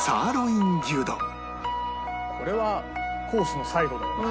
これはコースの最後だよな。